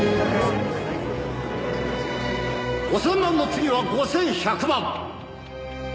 「５０００万の次は５１００万」